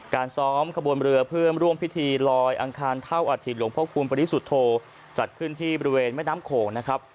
การซ้อมขบวนเรือเพื่อร่วมพิธีลอยอังคารเท่าอาทิตยหลวงพระคุณปริสุทธโธจัดขึ้นที่บริเวณแม่น้ำโขงนะครับ